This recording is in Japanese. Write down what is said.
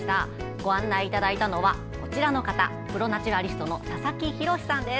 ご案内いただいたのはこちらの方プロ・ナチュラリストの佐々木洋さんです。